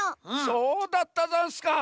そうだったざんすか。